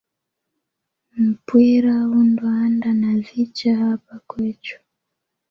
Mpwira undo anda na dhicha hapa kwechu.